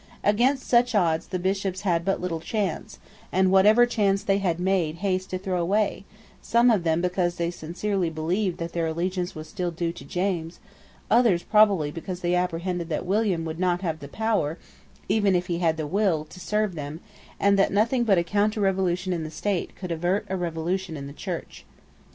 Against such odds the Bishops had but little chance; and whatever chance they had they made haste to throw away; some of them because they sincerely believed that their allegiance was still due to James; others probably because they apprehended that William would not have the power, even if he had the will, to serve them, and that nothing but a counterrevolution in the State could avert a revolution in the Church.